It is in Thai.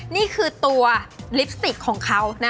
นี่คือตัวลิปสติกของเขา